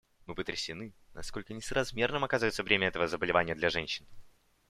Мы потрясены, насколько несоразмерным оказывается бремя этого заболевания для женщин.